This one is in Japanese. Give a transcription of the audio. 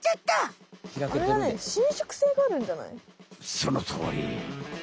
そのとおり！